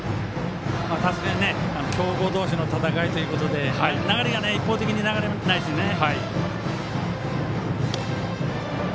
強豪同士の戦いということで流れが一方的に流れないですね。